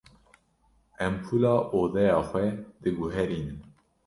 Empûla odeya xwe diguherînim.